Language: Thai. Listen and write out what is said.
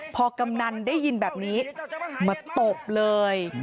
พอกำนันได้ยินแบบนี้มาตบเลย